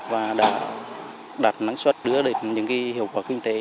và đã đạt năng suất đưa đến những hiệu quả kinh tế